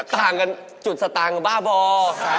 ตามกันจุดสตางค์บ้าบอก